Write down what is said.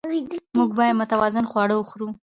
موږ باید متوازن خواړه وخورو